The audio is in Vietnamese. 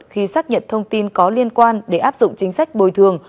khi xác nhận thông tin có liên quan để áp dụng chính sách bồi thường